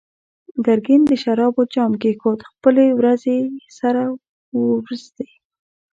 ګرګين د شرابو جام کېښود، خپلې وروځې يې سره وروستې.